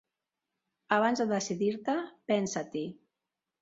Abans de decidir-te, pensa-t'hi.